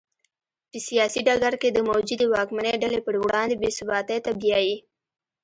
په سیاسي ډګر کې د موجودې واکمنې ډلې پر وړاندې بې ثباتۍ ته بیايي.